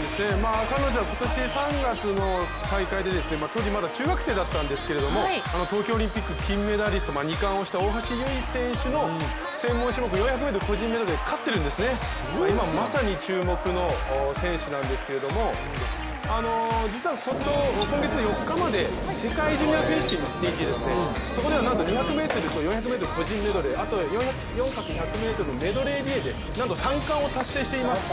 彼女は今年３月の大会で当時まだ中学生だったんですけれども、東京オリンピック金メダリスト２冠をした大橋悠依選手の専門種目４００ｍ個人メドレー勝っているんですね、今まさに注目の選手なんですけど実は今月４日まで世界ジュニア選手権に行っていてそこではなんと２００ｍと４００ｍ個人メドレー、あと、４００×１００ｍメドレーリレーでなんと３冠を達成しています。